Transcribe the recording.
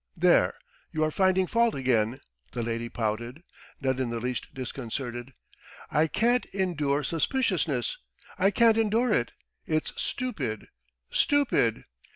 "There, you are finding fault again," the lady pouted, not in the least disconcerted. "I can't endure suspiciousness! I can't endure it! It's stupid, stupid!"